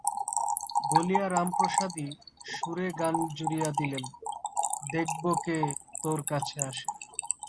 বলিয়া রামপ্রসাদী সুরে গান জুড়িয়া দিলেন– দেখব কে তোর কাছে আসে!